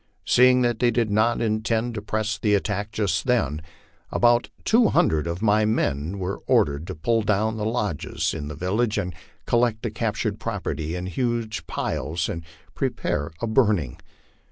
Seeing that they did not intend to press the attack just then, about two hundred of my men were ordered to pull down the lodges in the village and collect the captured property in huge piles pre paratory to burning.